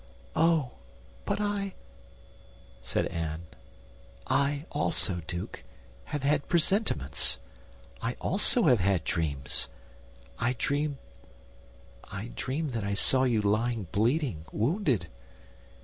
"Oh, but I," said Anne, "I also, duke, have had presentiments; I also have had dreams. I dreamed that I saw you lying bleeding, wounded."